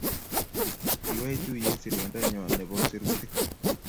kiwewech tuye serindenyo nebo sirutik